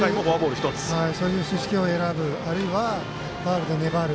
そういう四死球を選ぶあるいはファウルで狙う。